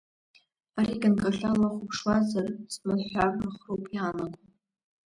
Ари, ганкахьала уахәаԥшуазар ҵмыҳәҳәарахроуп иаанаго.